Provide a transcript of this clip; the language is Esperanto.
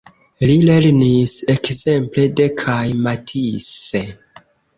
Li lernis ekzemple de kaj Matisse.